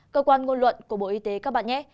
cơ quan ngôn luận của bộ y tế các bạn nhé